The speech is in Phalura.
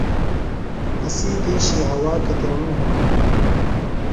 اسی دِیشی ہوا کتیݨُوۡ ہِنوۡ؟